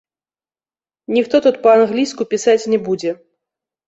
Ніхто тут па-англійску пісаць не будзе.